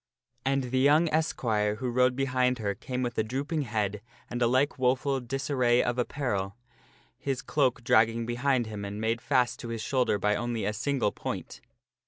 And the young esquire who rode behind her came with a drooping head and a like woful disarray of apparel, his cloak drag ging behind him and made fast to his shoulder by only a single point.